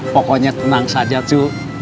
pokoknya tenang saja cu